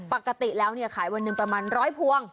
ปกติแล้วเนี่ยขายวันนึงประมาณร้อยพวง